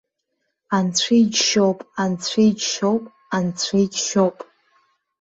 Анцәа иџьшьоуп, анцәа иџьшьоуп, анцәа иџьшьоуп!